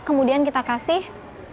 kemudian kita kasih